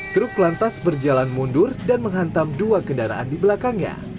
truk lantas berjalan mundur dan menghantam dua kendaraan di belakangnya